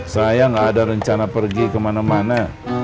saya nggak ada rencana pergi ke mana mana